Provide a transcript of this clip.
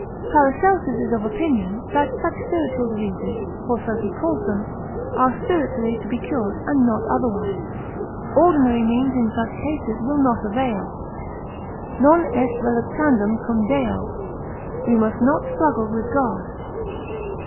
Paracelsus is of opinion, that such spiritual diseases (for so he calls them) are spiritually to be cured, and not otherwise. Ordinary means in such cases will not avail: Non est reluctandum cum Deo (we must not struggle with God.)